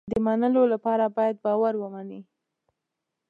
د منلو لپاره باید باور ومني.